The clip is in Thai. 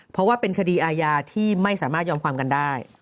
เพราะว่าเป็นคดีอาญาที่ไม่สามารถยอมความกันได้